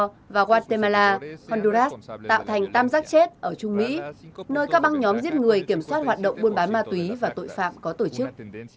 gout và guatemala honduras tạo thành tam giác chết ở trung mỹ nơi các băng nhóm giết người kiểm soát hoạt động buôn bán ma túy và tội phạm có tổ chức